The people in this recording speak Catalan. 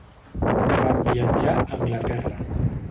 Van viatjar a Anglaterra.